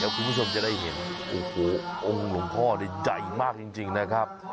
คุณผู้ชมจะได้เห็นโอ้โหองค์หลวงพ่อนี่ใหญ่มากจริงนะครับ